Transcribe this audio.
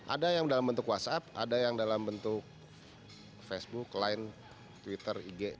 ada yang dalam bentuk whatsapp ada yang dalam bentuk facebook line twitter ig